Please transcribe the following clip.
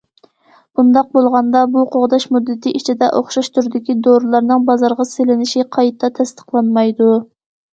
بۇنداق بولغاندا، بۇ قوغداش مۇددىتى ئىچىدە ئوخشاش تۈردىكى دورىلارنىڭ بازارغا سېلىنىشى قايتا تەستىقلانمايدۇ.